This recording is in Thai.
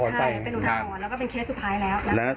ใช่เป็นอุทาหรณ์แล้วก็เป็นเคสสุดท้ายแล้ว